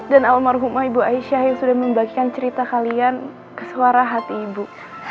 dan almarhumah ibu aisyah yang sudah membagikan cerita kalian ke suara hati ibu